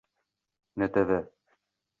ntv